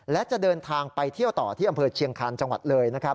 และจะเดินทางไปเที่ยวต่อที่อำเภอเชียงคาญจังหวัดเลยนะครับ